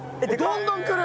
どんどんくる！